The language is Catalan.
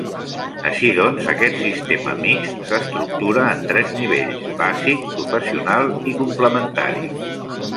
Així doncs, aquest sistema mixt s'estructura en tres nivells: bàsic, professional i complementari.